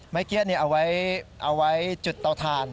ไม้เกี้ยนี่เอาไว้จุดเตาทาน